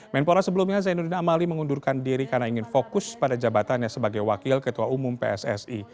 menpora sebelumnya zainuddin amali mengundurkan diri karena ingin fokus pada jabatannya sebagai wakil ketua umum pssi